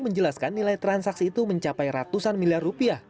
menjelaskan nilai transaksi itu mencapai ratusan miliar rupiah